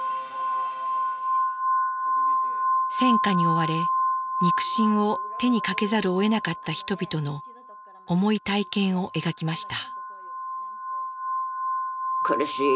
戦火に追われ肉親を手にかけざるをえなかった人々の重い体験を描きました。